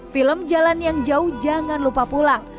film jalan yang jauh jangan lupa pulang